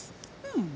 うん。